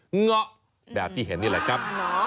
เงาะแบบที่เห็นนี่แหละครับ